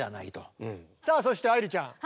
さあそして愛理ちゃん